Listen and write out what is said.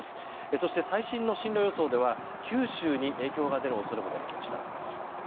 そして最新の進路予想では九州に影響が出る予想も出てきました。